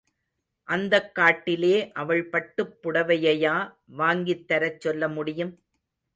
அந்தக் காட்டிலே அவள் பட்டுப் புடவையையா வாங்கித்தரச் சொல்ல முடியும்.